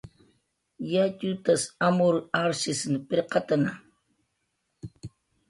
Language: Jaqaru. Yatx utas amur arshisn pirqatna